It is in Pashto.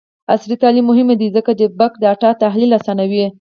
عصري تعلیم مهم دی ځکه چې د بګ ډاټا تحلیل اسانوي.